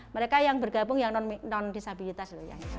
mereka yang bergabung yang non disabilitas